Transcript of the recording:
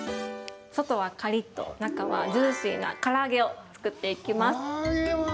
外はカリっと中はジューシーな、から揚げを作っていきます。